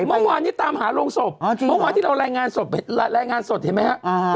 อ้าวเมื่อวานนี้ตามหาโรงศพเมื่อวานที่เราแรงงานสดเห็นไหมฮะ